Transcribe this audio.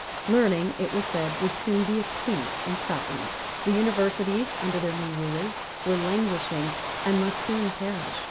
Learning, it was said, would soon be extinct in Scotland. The Universities, under their new rulers, were languishing and must soon perish.